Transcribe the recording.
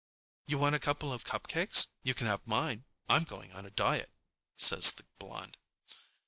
"You want a couple of cupcakes? You can have mine. I'm going on a diet," says the blonde.